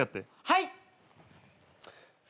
はい！